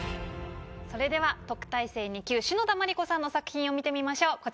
それでは特待生２級篠田麻里子さんの作品を見てみましょう。